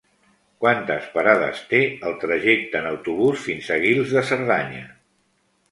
Quantes parades té el trajecte en autobús fins a Guils de Cerdanya?